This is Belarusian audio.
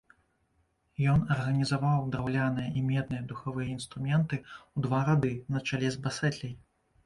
Ён арганізаваў драўляныя і медныя духавыя інструменты ў два рады на чале з басэтляй.